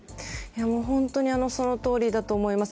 本当にそのとおりだと思います。